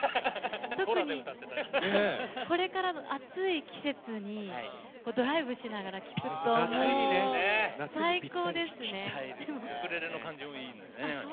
特に、これからの暑い季節にドライブしながら聴くとウクレレの感じもいいよね。